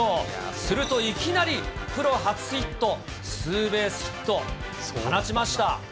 するといきなりプロ初ヒット、ツーベースヒット放ちました。